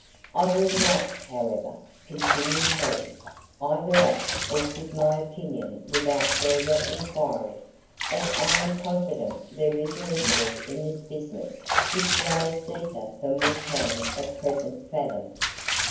"I will not, however," continued he, "either act or give my opinion without further enquiry, as I am confident there is a mystery in this business which lies deeper than we can at present fathom.